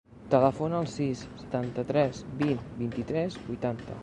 Telefona al sis, setanta-tres, vint, vint-i-tres, vuitanta.